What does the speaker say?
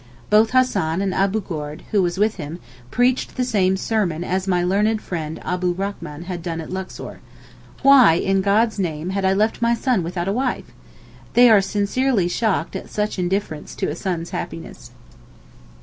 Both Hassan and Abu Goord, who was with him, preached the same sermon as my learned friend Abdurrachman had done at Luxor. 'Why, in God's name, I left my son without a wife?' They are sincerely shocked at such indifference to a son's happiness.